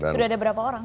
sudah ada berapa orang